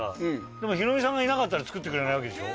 でもヒロミさんがいなかったら作ってくれないわけでしょ。